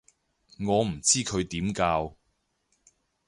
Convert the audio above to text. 我唔知佢點教